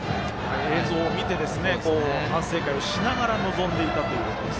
映像を見て反省会をしながら臨んでいたということです。